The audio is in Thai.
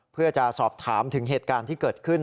เพื่อจะสอบถามถึงเหตุการณ์ที่เกิดขึ้น